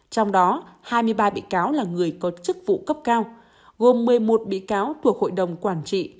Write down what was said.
trong đó hai mươi ba bị cáo là người có chức vụ cấp cao gồm một mươi một bị cáo thuộc hội đồng quản trị